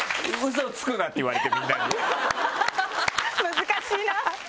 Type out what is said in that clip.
難しいな！